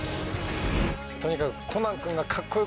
とにかく。